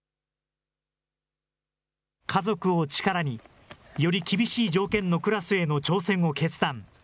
家族を力に、より厳しい条件のクラスへの挑戦を決断。